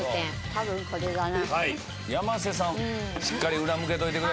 多分これだな。